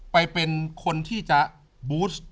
ไปเป็นคนที่จะบูสต์